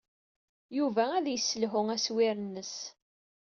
Yuba ad yesselhu aswir-nnes.